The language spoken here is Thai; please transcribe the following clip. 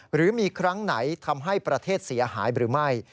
หรือมีครั้งไหนทำให้ประเทศเสียหายหรือไม่